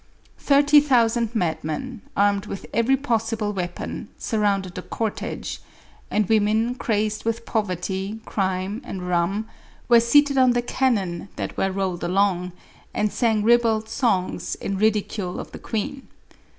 Thirty thousand madmen, armed with every possible weapon, sur rounded the cortege, and women, crazed with poverty, crime, and rum, were seated on the cannon that were rolled along, and sang ribald songs in ridicule of the queen.